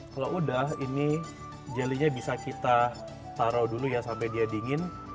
kalau udah ini jelly nya bisa kita taruh dulu ya sampai dia dingin